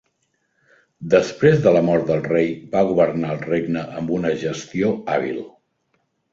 Després de la mort del rei, va governar el regne amb una gestió hàbil.